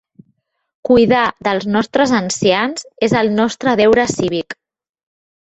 Cuidar dels nostres ancians és el nostre deure cívic.